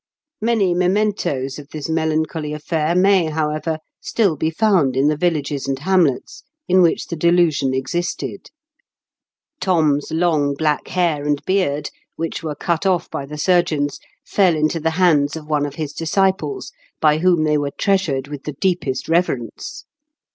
Many mementoes of this melancholy affair may, however, still be found in the villages and hamlets in which the delusion existed. Thom's long black hair and beard, which were cut off by the surgeons, fell into the hands of RELICS OF THOM. 153 one of his disciples, by whom they were treasured with the deepest reverence.